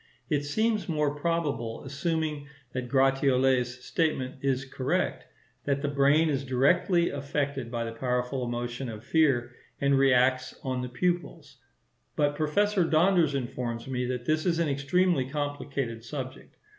It seems more probable, assuming that Gratiolet's statement is correct, that the brain is directly affected by the powerful emotion of fear and reacts on the pupils; but Professor Donders informs me that this is an extremely complicated subject.